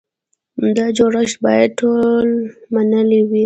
دا جوړښت باید ټول منلی وي.